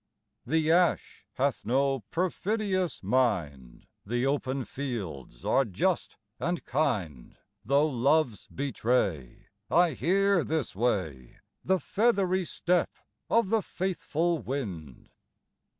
THE ash hath no perfidious mind; The open fields are just and kind; Tho' loves betray, I hear this way The feathery step of the faithful wind.